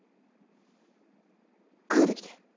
グできて。